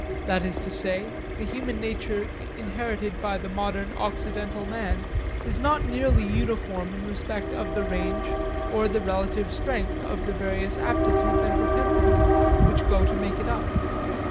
That is to say, the human nature inherited by modern Occidental man is not nearly uniform in respect of the range or the relative strength of the various aptitudes and propensities which go to make it up.